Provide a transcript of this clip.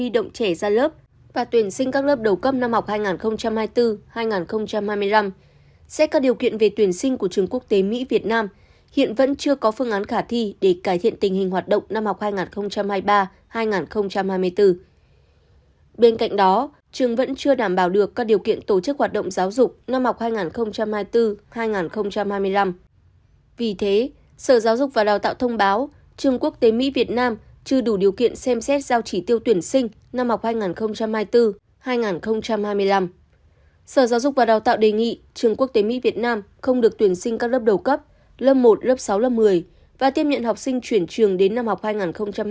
đào tạo đề nghị trường quốc tế mỹ việt nam không được tuyển sinh các lớp đầu cấp lớp một lớp sáu lớp một mươi và tiếp nhận học sinh chuyển trường đến năm học hai nghìn hai mươi bốn hai nghìn hai mươi năm